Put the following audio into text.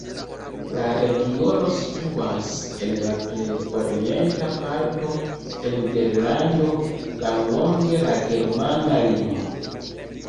La regiono situas en la plej orienta parto de Nederlando, laŭlonge la germana limo.